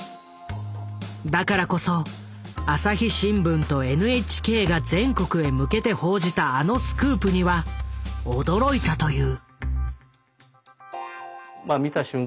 だからこそ朝日新聞とＮＨＫが全国へ向けて報じたあのスクープには驚いたという。